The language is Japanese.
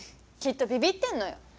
きっとビビってんのよ。